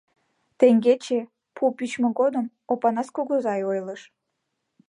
— Теҥгече, пу пӱчмӧ годым, Опанас кугызай ойлыш.